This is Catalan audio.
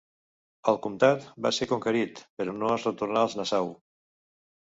El comtat va ser conquerit, però no es retornà als Nassau.